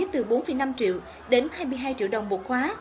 từ bốn năm triệu đến hai mươi hai triệu đồng một khóa